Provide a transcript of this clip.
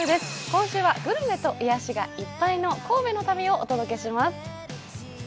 今週はグルメと癒やしがいっぱいの神戸の旅をお届けします。